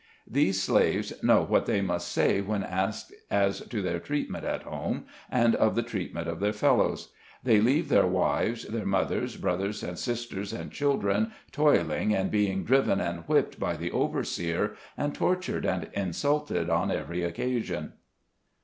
These slaves know what they must say when asked as to their treatment at home, and of the treatment of their fellows. They leave their wives, their mothers, brothers and sisters, and children, toiling and being driven and whipped by the overseer, and tortured and insulted on every occasion.